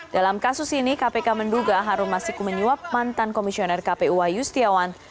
dalam kasus ini kpk menduga harun masiku menyuap mantan komisioner kpu wahyu setiawan